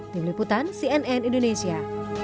di meliputan cnn indonesia